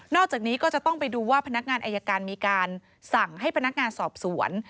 อกจากนี้ก็จะต้องไปดูว่าพนักงานอายการมีการสั่งให้พนักงานสอบสวน